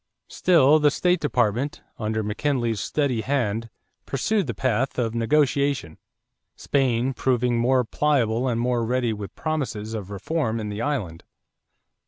= Still the State Department, under McKinley's steady hand, pursued the path of negotiation, Spain proving more pliable and more ready with promises of reform in the island.